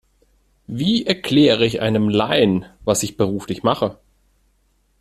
Wie erkläre ich einem Laien, was ich beruflich mache?